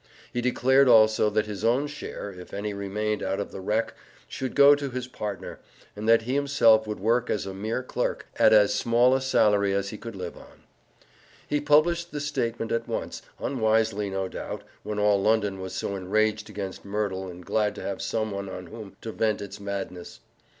He declared also that his own share (if any remained out of the wreck) should go to his partner, and that he himself would work as a mere clerk, at as small a salary as he could live on. He published this statement at once, unwisely no doubt, when all London was so enraged against Merdle and glad to have some one on whom to vent its madness.